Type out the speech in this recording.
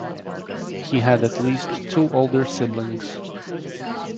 He had at least two older siblings.